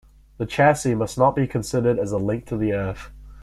The chassis must not be considered as a link to the Earth.